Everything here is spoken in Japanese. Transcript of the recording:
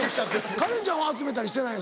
カレンちゃんは集めたりしてないの？